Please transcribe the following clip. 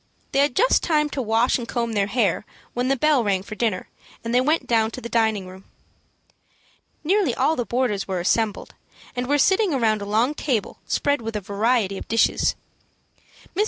They had just time to wash and comb their hair, when the bell rang for dinner, and they went down to the dining room. Nearly all the boarders were assembled, and were sitting around a long table spread with a variety of dishes. Mrs.